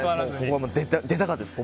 出たかったです。